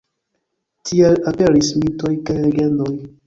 Tiel aperis mitoj kaj legendoj.